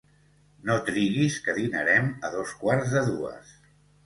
No triguis que dinarem a dos quarts de dues